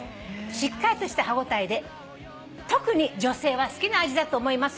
「しっかりとした歯応えで特に女性は好きな味だと思いますよ」